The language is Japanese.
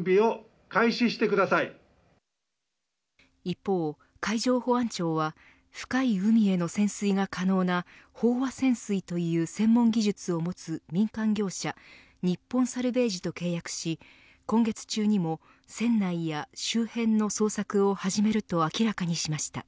一方海上保安庁は深い海への潜水が可能な飽和潜水という専門技術を持つ民間業者日本サルヴェージと契約し今月中にも、船内や周辺の捜索を始めると明らかにしました。